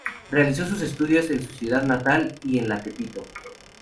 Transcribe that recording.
Realizó sus estudios en su ciudad natal y en la Tepito.